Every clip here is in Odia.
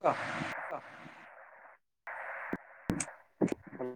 କହ? କହ ହୁଁ।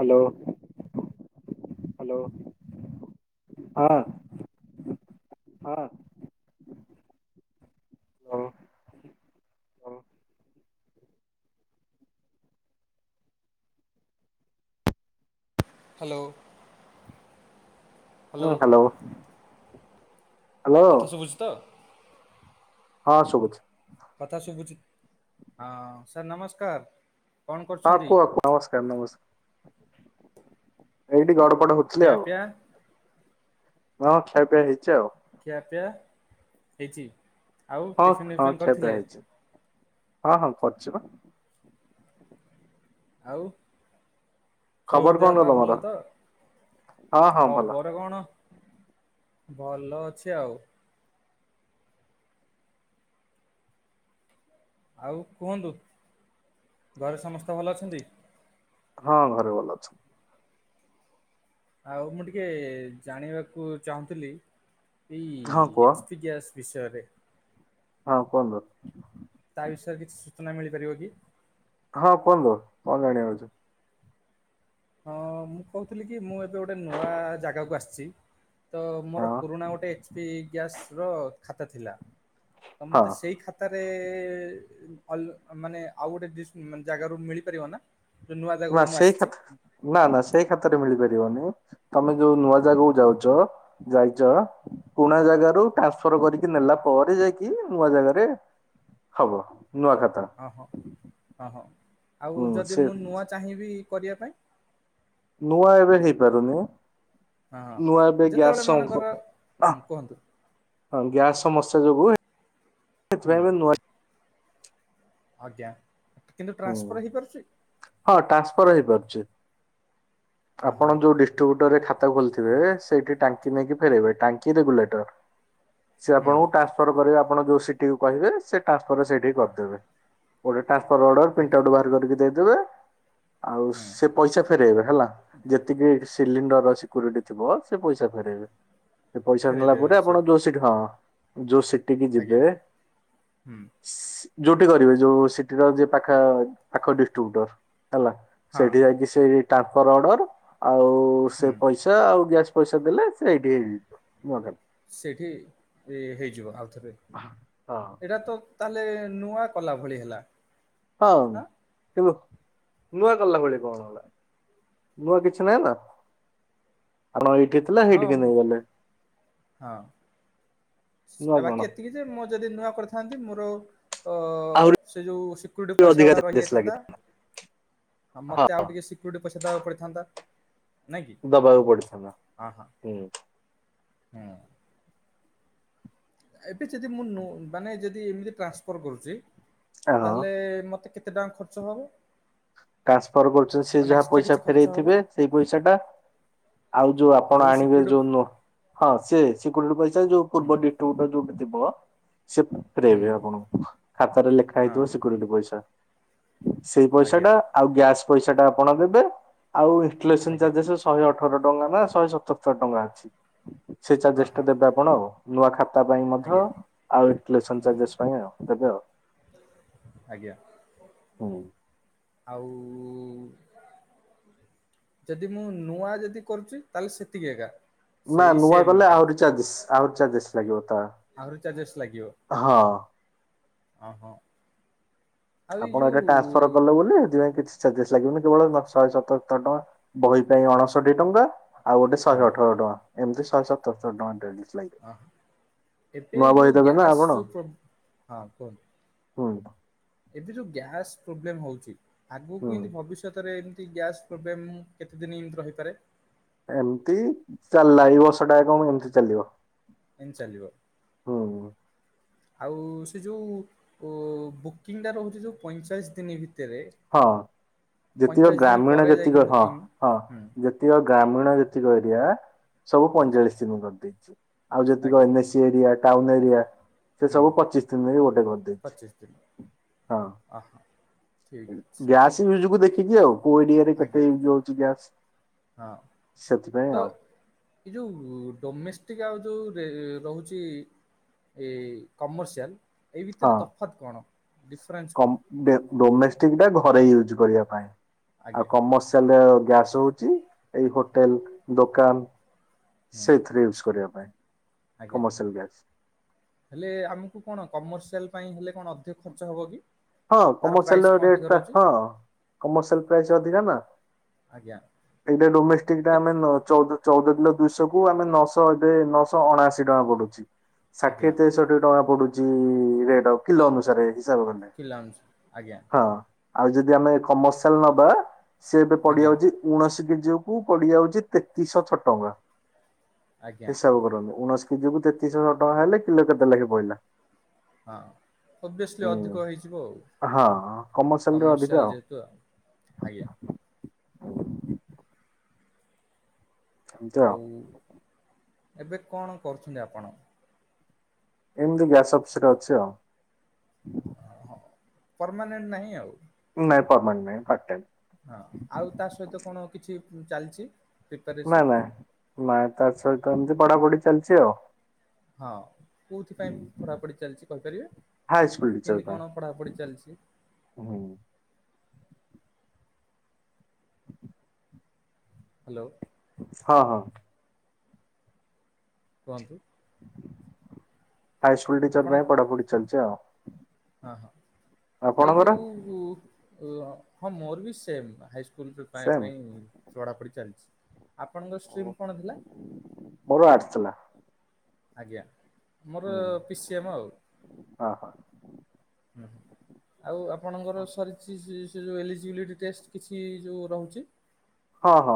ହାଲୋ। ହାଲୋ। ହଁ। ହଁ। ହୁଁ। ହୁଁ ହାଲୋ-ହାଲୋ। ହ୍ୟାଲୋ ହ୍ୟାଲୋ କଥା ଶୁଭୁଛି ତ। ହଁ ଶୁଭୁଛି। କଥା ଶୁଭୁଛି ହଁ ସାର୍ ନମସ୍କାର୍। ହଁ କୁହ ନମସ୍କାର୍-ନମସ୍କାର୍। ଏଇଠି ଗଡ଼ପଡ ହଉଛି। ଖିଆ ପିଆ ହଁ ଖିଆ ପିଆ ହେଇଛି ଆଉ। ଖିଆ ପିଆ ହେଇଛି ଆଉ ହଁ ଟିଫିନ୍ ପିଫିନ୍ କରିଥିଲେ? ହଁ-ହଁ କରିଛି ବା। ଆଉ। ସବୁ ଖବର ଦେହ କଣ ପାହା ତମର ଭଲ ତ ହଁ ହଁ ଭଲ ଖବର କଣ। ଭଲ ଅଛି ଆଉ। ଆଉ କୁହନ୍ତୁ ଘରେ ସମସ୍ତେ ଭଲ ଅଛନ୍ତି। ହଁ ଘରେ ଭଲ ଅଛନ୍ତି। ଆଉ ମୁଁ ଟିକେ ଜାଣିବାକୁ ଚାହୁଁଥିଲି ଏଇ ହଁ କୁହ ଏଚ୍ ପି ଗ୍ୟାସ୍ ବିଷୟରେ। ହଁ କୁହନ୍ତୁ? ତା ବିଷୟରେ କିଛି ସୂଚନା ମିଳିପାରିବ କି? ହଁ କୁହନ୍ତୁ କଣ ଜାଣିବାର ଅଛି? ହଁ ମୁଁ କହୁଥିଲି କି ମୁଁ ଏବେ ଗୋଟେ ନୂଆ ଜାଗାକୁ ଆସିଛି। ତ ମୋର ହଁ ପୁରୁଣା ଗୋଟେ ଏଚ୍ ପି ଗ୍ୟାସ୍ ର ଖାତା ଥିଲା ତମେ ହଁ ମତେ ସେଇ ଖା ତା ରେ ଅଲ ମାନେ ଆଉ ଗୋଟେ ଡିସ୍ ଉଁ ମାନେ ଜାଗା ରୁ ମିଳି ପାରିବ ନା। ଯୋଉ ନୂଆ ଜାଗାକୁ ନା ମୁଁ ସେଇ ଆସିଛି ଖାତ୍ ନା ନା ସେଇ ଖାତାରେ ମିଳିପାରିବନି ତମେ ଯୋଉ ନୂଆ ଜାଗାକୁ ଯାଉଚ ଯାଇଚ। ପୁରୁଣା ଜାଗା ରୁ ଟ୍ରାନସ୍ଫର କରିକି ନେଲା ପରେ ଯାଇକି ନୂଆ ଜାଗାରେ ହବ ନୂଆ ଖାତା। ହଁ ହଁ ହଁ ହଁ ଆଉ ହୁଁ ଯଦି ସେ ମୁଁ ନୂଆ ଚାହିଁବି କରିଆ ପାଇଁ? ନୂଆ ଏବେ ହେଇପାରୁନି। ହଁ ହଁ ନୂଆ ଏବେ ଯେତେବେଳେ ଗ୍ୟାସ୍ ମନେକର ସଂଘ ଆ ହୁଁ କୁହନ୍ତୁ ହଁ ଗ୍ୟାସ୍ ସମସ୍ୟା ଯୋଗୁ ହୁଁ ସେଥିପାଇଁ ଏବେ ନୂଆ ଆଜ୍ଞା କିନ୍ତୁ ହୁଁ ଟ୍ରାନ୍ସଫର୍ ହେଇ ପାରୁଛି? ହଁ ଟ୍ରାନ୍ସଫର୍ ହେଇ ପାରୁଚି। ହଁ ଆପଣ ହଁ ଯୋଉ ଡିଷ୍ଟ୍ରିବ୍ୟୁଟର ରେ ଖାତା ଖୋଲିଥିବେ ସେଇଠି ଟାଙ୍କି ନେଇକି ଫେରେଇବେ ଟାଙ୍କି ରେଗୁଲେଟର୍। ସେ ହୁଁ ଆପଣଙ୍କୁ ଟ୍ରାନ୍ସଫର୍ କରିବେ ଆପଣ ଯୋଉ ସିଟି କୁ କହିବେ ସେ ଟ୍ରାନ୍ସଫର୍ ସେଇଠିକି କରି ଦେବେ। ଗୋଟେ ଟ୍ରାନ୍ସଫର୍ ଅଡର ପ୍ରିଣ୍ଟ ଆଜ୍ଞା ଆଉଟ୍ ବାହାର କରିକି ଦେଇ ଦେବେ ଆଉ ହୁଁ। ସେ ପଇସା ଫେରେଇବେ ହେଲା। ଯେତିକି ସିଲିଣ୍ଡର ର ସିକୁରିଟି ଥିବ ସେ ପଇସା ଫେରେଇବେ। ସେ ପଇସା ନେଲା ଫେରେଇଦେବେ ପରେ ସେ ଆପଣ ଯୋଉ ସିଟି ହଁ ଯୋଉ ସିଟି କି ଆଜ୍ଞା ଯିବେ ହୁଁ ଯୋଉଠି କରିବେ ଯୋଉ ସିଟିର ଯିଏ ପାଖା ପାଖ ଡିଷ୍ଟ୍ରିବ୍ୟୁଟର ହେଲା। ହଁ ସେଠି ଯାଇକି ସେଇ ଟ୍ରାନ୍ସଫର୍ ଅର୍ଡର। ଆଉ ହୁଁ। ସେ ପଇସା ଆଉ ଗ୍ୟାସ୍ ପଇସା ଦେଲେ ସେଇଠି ହେଇଯିବ ନୂଆ କାର୍ଡ। ସେଇଠି ଏ ହେଇଯିବ ଆଉ ଥରେ। ହଁ। ଏଇଟା ତ ତାହେଲେ ନୂଆ କଲା ଭଳି ହେଲା। ହଁ ଆଁ କିନ୍ତୁ ନୂଆ କଲା ଭଳି କଣ ହେଲା? ନୂଆ କିଛି ନାହିଁ ନା ଆପଣଙ୍କ ଏଇଠି ଥିଲା ହଁ ସେଇଠିକି ନେଇ ମ- ଗଲେ। ହଁ ନୂଆ କଣ ବାକି ଏତିକି ଯେ ମୁଁ ଯଦି ନୂଆ କରିଥାନ୍ତି ମୋର ତ ଆହୁରି ସେ ଯୋଉ ସିକ୍ୟୁରିଟି ପଇସା ଅଧିକା ଗୁଡ଼ା ଚାର୍ଜେସ୍ ଲାଗିଥାନ୍ତା ରହିଯାଇଥାନ୍ତା। ହଁ ମତେ ଆଉ ଟିକେ ସି କ୍ୟୁରିଟି ପଇସା ଦବାକୁ ପଡିଥାନ୍ତା ନାଇଁ କି? ଦବାକୁ ପଡିଥାନ୍ତା। ହୁଁ ହୁଁ। ଏବେ ଯଦି ମୁଁ ନ ମାନେ ଯଦି ଏମିତି ଟ୍ରାନ୍ସଫର୍ କରୁଚି ତାହେଲେ ମତେ କେ ତେ ଟଙ୍କା ଖର୍ଚ୍ଚ ହେବ? ଟ୍ରାନ୍ସଫର୍ କରୁଚ ସେ ଯାହା ଏକ୍ସଟ୍ରା ପଇସା କିଛି ଖର୍ଚ୍ଚ ହବ? ଫେରେଇଥିବେ ସେଇ ପଇସା ଟା। ଆଉ ଯୋଉ ଆପଣ ଆଣିବେ ଯୋଉ ନୂ ହଁ ସେ ସିକ୍ୟୁରିଟି ପଇସା ଯୋଉ ହୁଁ ପୂର୍ବ ଡିଟିବ୍ୟୁଟର ଯୋଉଟି ଥିବ ସିଏ ହୁଁ ଫେରେଇବେ ଆପଣଙ୍କୁ ଖାତାରେ ଲେଖା ହଁ ହେଇଥିବ ସିକ୍ୟୁରିଟି ପଇସା। ସେଇ ପଇସା ଆଜ୍ଞା ଟା ଆଉ ଗ୍ୟାସ ପଇସା ଟା ଆପଣ ଦେବେ ଆଉ ଇନ୍ସଟୁଲେସନ ଆଜ୍ଞା ଚାର୍ଜେସେସ୍ ଶହେ ଅଠର ଟଙ୍କା ନା ଶହେ ସତରସ ଟଙ୍କା ଅଛି ସେଇ ହଁ ଚାର୍ଜେସ୍ ଟା ହଁ ଦେବେ ଆପଣ ଆଉ। ନୂଆ ଖାତା ପାଇଁ ମଧ୍ୟ ଆଜ୍ଞା। ଆଉ ଇନ୍ଟିଲେସନ ଚାର୍ଜେସ୍ ପାଇଁ ଆଉ ଦେବେ ଆଉ। ଆଜ୍ଞା ହୁଁ। ଆଉ ଯଦି ମୁଁ ନୂଆ ଯଦି କରୁଚି ତାହେଲେ ସେତିକି ଏକା? ନା ସେଇ ନୂଆ ସେମ୍ କଲେ ଏକା ଆହୁରି ଚାର୍ଜେସ୍ ଆହୁରି ଚାର୍ଜେସ୍ ଲାଗିବ ତାହା। ଆହୁରି ଚାର୍ଜେସ୍ ଲାଗିବ ଅ ହୋ। ଆପଣ ଏଇଟା ଟ୍ରାନ୍ସଫର କଲେ ବୋଲି ସେଥିପାଇଁ କିଛି ଚାର୍ଜେସ୍ ଲାଗିବନି କେବଳ ସ ଶହେ ସତରସ ଟଙ୍କା ବହି ପାଇଁ ଅଣଷଠି ଟଙ୍କା। ଆଉ ଗୋଟେ ହୁଁ ଶହେ ଅଠର ଟଙ୍କା ଏମିତି ଶହେ ସତସ୍ତରୀ ଟଙ୍କା ଡେଲି। ହ ଏବେ ଏଯେଉଁ ଦେବେ ନା ଗ୍ୟାସ୍ ଆପଣ ଯେଉଁ ପ୍ରବ ହଁ କୁହନ୍ତୁ। [unintelligible] ଏବେ ଯୋଉ ଗ୍ୟାସ୍ ପ୍ରୋବ୍ଲେମ ହଉଛି ହୁଁ ଆଗକୁ ଏମିତି ଭବିଷ୍ୟତ ରେ ଏମତି ଗ୍ୟାସ୍ ପ୍ରୋବ୍ଲେମ କେତେ ଦିନ ଏମତି ରହିପାରେ? ଏମିତି [unintelligible] ଏମିତି ଚାଲିବ ଏମିତି ଚାଲିବ। ହୁଁ ଆଉ ସେ ଯେଉଁ ବୁକିଂଟା ରହୁଛି ଯେଉଁ ପଇଁଚାଳିଶ ଦିନ ଭିତରେ। ହଁ। ଯେତିକ ପଇଁଚାଳିଶ ଦିନ ଗ୍ରାମୀଣ ପରେ ଯାଇକି ଜେତିକ ହଁ ବୁକିଂ ହଁ ହୁଁ ଯେତିକ ଗ୍ରାମୀଣ ଯେତିକ ଏରିଆ ସବୁ ଆଜ୍ଞା ପାଇଂଚାଳିଶି ଦିନ କରିଦେଇଛି ଆଉ ଯେତିକ ଆଜ୍ଞା ଏନ୍ଏସି ଏରିଆ ଟାଉନ ଏରିଆ ସେ ହୁଁ ସବୁ ପଚିଶ ଦିନରେ ଗୋଟେ କରିଦେଇେଇଛି ହଁ। ଅ ହଁ ଠିକ୍ ଅଛି। ଗ୍ୟାସ ୟୁଜ଼କୁ ଦେଖିକି ଆଉ କୋଉ ଏରିଆ ରେ କେତେ ଆଜ୍ଞା ୟଜ୍ ହଉଛି ଗ୍ୟାସ। ହଁ ତ। ଏ ଯୋଉ ଡୋମେଷ୍ଟିକ୍ ଆଉ ଯୋଉ ରହୁଛି ଏ କମର୍ସିଆଲ ଏଇ ହଁ ଭିତରେ ତଫାତ୍ କଣ? ଡିଫରେନ୍ସ କଣ ଡୋମେଷ୍ଟିକ ଟା ଘରେ ୟୁଜ୍ କରିବା ପାଇଁ ଆଉ ଆଜ୍ଞା କମର୍ସିଆଲ ଗ୍ୟାସ ହେଉଛି ଏଇ ହୋଟେଲ ଦୋକାନ ହୁଁ ସେଇଥିରେ ୟୁଜ଼ କରିବା ପାଇଁ। ଆଜ୍ଞା କମର୍ସିଆଲ ଗ୍ୟାସ। ହେଲେ ଆମକୁ କଣ କମର୍ସିଆଲ ପାଇଁ ହେଲେ କଣ ଅଧିକ ଖର୍ଚ୍ଚ ହବ କି? ହଁ ତାର ପ୍ରାଇସ୍ କମର୍ସିଆଲର କଣ ଅଧିକ ରେଟଟା ରହୁଛି ହଁ କମର୍ସିଆଲା ପ୍ରାଇସ ଅଧିକା ନା। ଆଜ୍ଞା। ଏଇଟା ଡୋମେଷ୍ଟିକ ଟା କେତ୍ ଆମେ ଚଉଦ ଚଉଦ କିଲ ଦୁଇଶହ କୁ ଆମେ ନଅଶହ ଏବେ ନଅଶହ ଅଣାଅଶୀ ଟଙ୍କା ପଡୁଛି। ଆଜ୍ଞା ଷାଠିଏ ତେଷଠି ଟଙ୍କା ପଡୁଛି ରେଟ କିଲୋ ଅନୁସାରେ ହିସାବ କଲେ। [unintelligible] ଆଜ୍ଞା ହଁ ଆଉ ଯଦି ଆମେ କମର୍ସିଆଲ ନବା ସି ଏବେ ଆଜ୍ଞା ପଡିଯାଉଛି ଉଣଶୀ କେଜି କୁ ପଡିଯାଉଛି ତେତିଶହ ଛଅ ଟଙ୍କା। ଆଜ୍ଞା ହିସାବ କରନ୍ତୁ ଉଣେଇଶ କେଜି କୁ ତେତିଶହଶହ ଟଙ୍କା ହେଲେ କିଲୋ କେତେ ଲାଗେ ପଡିଲା? ହଁ ଓଭିଅସଲି ହୁଁ। ଅଧିକ ହେଇଯିବ ଆଉ। ହଁ କମରସିଆଲରୂ ଅଧିକା ଆଉ। [unintelligible] ଆଜ୍ଞା। ଆଉ ଉ ଏବେ କଣ କରୁଛନ୍ତି ଆପଣ? ଏମିତି ଗ୍ୟାସ୍ ଅଫିସ୍ ରେ ଅଛି ଆଉ। ହଁ ପର୍ମାନେଣ୍ଟ ନାହିଁ ଆଉ। ନାଇ ପରମାଣ୍ଟ ନାଇଁ ପାଟ୍ ଟାଇମ୍। ହଁ ଆଉ ତା ସହିତ କଣ କିଛି ଚାଲିଛି? ନା ପ୍ରିପାରେସନ୍? ନା ନା ତା ସହିତ ଏମିତି ପଢାପଢି ଚାଲିଛି ଆଉ। ହଁ କୋଉଥିପାଇଁ ପଢାପଢି ଚାଲିଛି କହିପାରିବେ? ହାଇସ୍କୁଲ ଟିଚର କେମିତି ପାଇଁ। କଣ ପଢାପଢି ଚାଲିଛି? ହୁଁ। [unintelligible] ହାଲୋ। ହଁ ହଁ। କୁହନ୍ତୁ? ହାଇ ଆପ- ସ୍କୁଲ ଟିଚର୍ ଆପଣ ପାଇଁ ପଢାପଢି ଚାଲିଛି ଆଉ। ହଁ ହଁ ଏଇ ଆପଣଙ୍କର? ଯୋଉ ଉଁ ହଁ ମୋର ବି ସେମ୍ ହାଇସ୍ ସ୍କୁଲ ପାଇବା ସେମ୍ ପାଇଁ ପଢ଼ାପଡ଼ି ଚାଲିଛି ଆପଣଙ୍କ ଷ୍ଟ୍ରିମ୍ କଣ ଥିଲା? ମୋର ଆର୍ଟସ୍ ଥିଲା। ଆଜ୍ଞା ମୋର ହୁଁ ପିସି ଏମ୍ ଆଉ। ହଁ ହଁ। ହୁଁ ଆଉ ଆପଣଙ୍କର ସରି ସି ସି ସି ଯୋଉ [inaudible] କିଛି ଯୋଉ ରହୁଛି। ହଁ ହଁ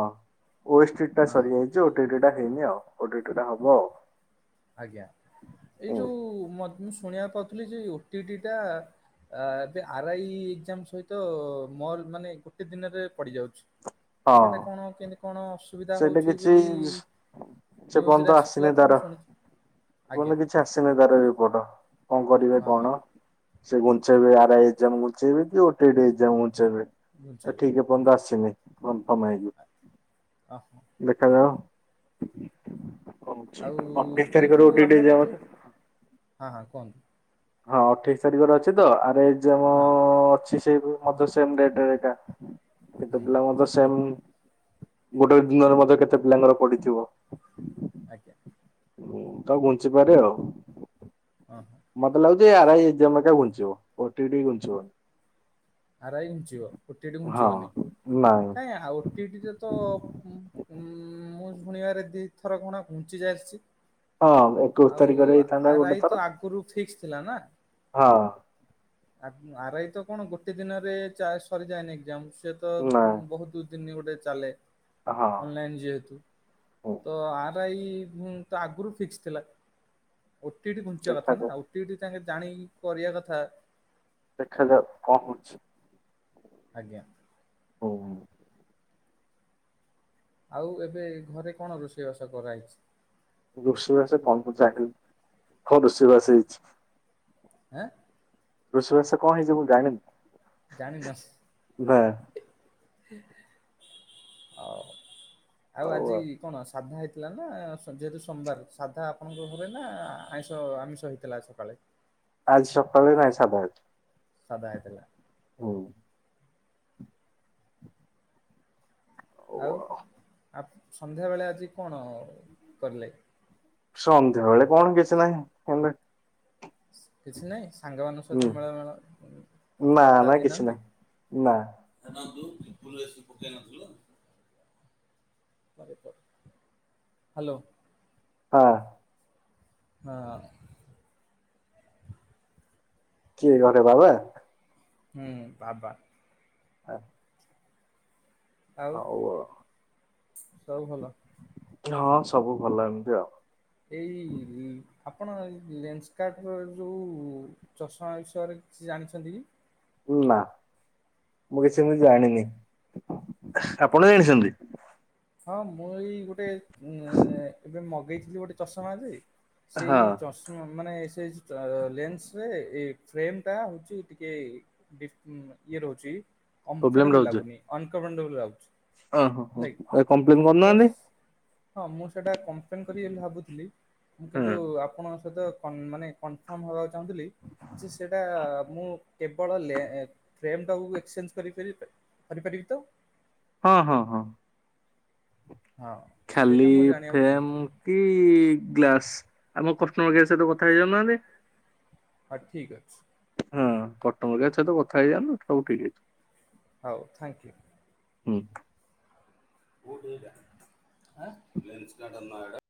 ୱେଷ୍ଟେଟ୍ ଟା ଅ ହଁ ସରିଯାଇଛି ଓଟିଇଟିର ଟା ହେଇନି ଆଉ ଓଟାଈଟର୍ ଟା ହବ ଆଉ। ଆଜ୍ଞା ଏଇ ହୁଁ। ଯୋଉ ମ୍ ମୁଁ ଶୁଣିବାକୁ ପାଉଥିଲି ଯେ ଓଟିଟି ଟା ଆ ଏବେ ଆର୍ ଆଇ ଏକ୍ଜାମ୍ ସହିତ ମୋର୍ ମାନେ ଗୋଟେ ଦିନରେ ପଡିଯାଉଛି। ହଁ ସେଟା କଣ କେମିତି କଣ? ଅସୁବିଧା ସେଇଟା ହଉଛି କିଛି ବୋଲି ସେ ନ୍ୟୁଜରେ ବନ୍ଧ ଆସୁଥିଲା ଆସିନି ତ ମୁଁ ତାର। ଶୁଣିଛି ଆଜ୍ଞା। ବୁନି କିଛି ଆସିନି ତାର ରିପୋଟ କଣ କରିବେ ହଁ ହଁ। କଣ? ସେ ଗୁଞ୍ଚେଇବେ ଆରାଇ ଏକ୍ସାମ୍ ଗୁଞ୍ଚେଇବେ କି ଓଟିବି ଏକ୍ସାମ୍ ବୁଝେ ଘୁଞ୍ଚେଇବେ ଠିକ୍ ଏପନ୍ତ ଆସିନି କଂଫମ୍ ହେଇନି। ଓ ହୋ। ଦେଖାଯାଅ ହଉଛି ଆଉ ଅଠେଇଶି ଏଇ ତାରିଖରୁ ଯୋଉ [inaudible] ଆମର ଯୋଉ ହଁ ହଁ କୁହନ୍ତୁ। ହଁ ଅଠେଇଶି ତାରିଖରୁ ଅଛି ତ ଆରାଇ ଏକଜାମ୍ ହଁ। ଅଛି। [inaudible] ମୋତେ ସେମ୍ [inaudible] ଦେଖ। ହୁଁ। ଗୋଟେ ଦିନରେ ମଧ୍ୟ କେତେ ପିଲାଙ୍କର ପଢଡିିଥିବ। ଆଜ୍ଞା। ହୁଁ ତ ଘୁଞ୍ଚି ପାରେ ଆଉ। ହଁ ହଁ। ମତେ ଲାଗୁଛି ଏଇ ଏକଜାମ୍ ଟା ଘୁଞ୍ଚିବ, ଓଟିଟି ଟା ଘୁଞ୍ଚିବନି। ଅରାଇ ଘୁଞ୍ଚିବ ଉଟିଡି ହଁ ଘୁଞ୍ଚିବନି ନାଇଁ କାଇଁ ଆଉଟିଟିରେ ତ ମ -ମ୍ -ମୁଁ ଶୁଣିବାରେ ଦୁଇଥର କଣ ଘୁଞ୍ଚି ଯାଇଛି। ହଁ ଏକୋଇଶି ଆଉ ତାରିଖରେ ହେଇଥାନ୍ତା ଗୋଟେ ଆରାଇ ଥର ତ ଆଗରୁ ଫିକ୍ସ ଥିଲା ନା। ହଁ। ଆ ଆରଇ ତ କଣ ଗୋଟେ ଦିନରେ ଚାର୍ ସରିଯାଏନି କି ଏଜାମ୍ ସେ ତ ନାଇଁ ବହୁତ୍ ଦିନ ଗୋଟେ ଚାଲେ ହଁ ଅନଲାଇନ୍ ଯେହେତୁ। ହୁଁ ତ ଆର୍ ଆଇ ତ ଆଗରୁ ଫିକ୍ସ ଥିଲା ଓଟି ଡି ଘୁଞ୍ଚିବା କଥା ନା? ଦେଖାଯାଉ ଡି- ଡି ତାଙ୍କେ ଜାଣିକ୍ କରିବା କଥା। ଦେଖାଯାଉ କଣ ହୋଉଛି। ଆଜ୍ଞା। [inaudible] ଆଉ ଏବେ ଘରେ କଣ ରୋଷେଇବାସ କରାହୋଇଛି? [unintelligible] [inaudible] ରୁଷୋଇଵାସ କଣ ହେଇଛି ମୁ ଜାଣିନି। ଜାଣିିନ? ନା [inaudible] ଆଉ ହଉ ଆଜି ଆଉ କଣ ସାଧା ହେଇଥିଲା ନା ଯେହେତୁ ସୋମବାର ସାଧା ଆପଣଙ୍କ ଘରେ ନା ଆଇଁଷ ଆମିଷ ହେଇଥିଲା। ଥିଲା ସକାଳେ। ଆଜି ସକାଳେ ନାଇଁ ସାଧା [inaudible] ସାଦା ହେଇଥିଲା। ହଁ। ଆଉ ଆ, ସନ୍ଧ୍ୟାବେଳେ ଆଜି କଣ କଲେ? ସନ୍ଧ୍ୟାବେଳେ କଣ କିଛି ନାହିଁ ସେମିତି। କିଛି ନାଇଁ। ସାଙ୍ଗମାନଙ୍କ ସହିତ ହୁଁ ମେଳ ମେଳ ଉଁ, ନା କଥାବାର୍ତ୍ତା ନା କିଛି ହେଇନାହାନ୍ତି? ନାହିଁ। ନା [inaudible] ଏସି ପକେଇ ନଥିଲ? [unintelligible] ହାଲୋ। ହଁ। ହଁ। କିଏ ଘରେ ବାବା? ହୁଁ, ବାବା। ହଁ। ଆଉ ଆଉ ସବୁ ଭଲ? ହଁ ସବୁ ଭଲ ଏମିତି ଆଉ। ଏଇ ଆପଣ ଏଇ ଲେନ୍ସକାର୍ଟ ର ଯୋଉ ଚଷମା ବିଷୟରେ କିଛି ଜାଣିଛନ୍ତି କି? ନା ମୁଁ କିଛି ଏମିତି ଜାଣିନି। ଆପଣ ଜାଣିଛନ୍ତି? ହଁ ମୁଁ ଏଇ ଗୋଟେ ଉଁ, ଏ, ଏବେ ମଗେଇଥିଲି ଗୋଟେ ଚଷମା ଯେ। ହଁ ସେଇ ଚଷ ହଁ ମାନେ ସେ ତ ଲେନ୍ସ ରେ ଏ ଫ୍ରେମ୍ ଟା ହଉଛି ଟିକେ ଡିସ୍ ଉଁ, ଇଏ ରହୁଛି କମ୍ଫର୍ଟେବଲ୍ ଲାଗୁନି, ଅନକମ୍ଫର୍ଟେବଲ ଲାଗୁଛି। ଓ ହୋ, ହେଲା ହୋ କିି ଏ କମ୍ପ୍ଲେନ୍ ତ କରୁନାହାନ୍ତି। ସ- ହଁ ମୁଁ ସେଇଟା କମ୍ପ୍ଲେନ୍ କରିବି ବୋଲି ଭାବୁଥିଲି, ମୁଁ କିନ୍ତୁ ହୁଁ ଆ ଆପଣଙ୍କ ସହିତ କନ-ମାନେ କନଫର୍ମ ହବାକୁ ଚାହୁଁଥୁଲି। ଯେ ସେଟା ମୁଁ କେବଳ ଲେ-ଏ ଫ୍ରେମ୍ ଟାକୁ ଏକ୍ସଚେଞ୍ଜ କରିପାରିବି? କରିପାରିବି ତ? ହଁ, ହଁ, ହଁ। ହଁ। ଖାଲି ସେଇଟା ମୁଁ ଜାଣିବାକୁ ଫେମ ଚାହୁଁଥିଲି କି ଗ୍ଲାସ୍ ଆମ କଷ୍ଟମର୍ କେୟାର୍ ସହିତ କଥା ହେଇ ଯାଉନାହାନ୍ତି। ହଁ ଠିକ ଅଛି। ହଁ କଟମର କେୟାର୍ ସହିତ କଥା ହେଇଯାଆନ୍ତୁ ସବୁ ଠିକ୍ ହେଇଛି। ହଉ ଥ୍ୟାଙ୍କ୍ ୟୁ। ହୁଁ। [inaudible] ଏଇଟା ଲେନ୍ସକାର୍ଟ ନାଁ ଏଟା